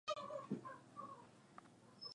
Mfumuko wa bei wa kila mwaka ulifikia saba.